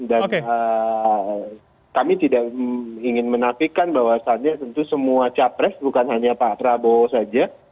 dan kami tidak ingin menafikan bahwasannya tentu semua capres bukan hanya pak prabowo saja